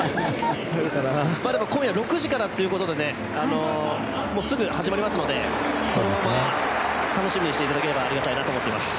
でも、今夜６時からということですぐ始まりますので、そのまま楽しみにしていただければありがたいなと思っています。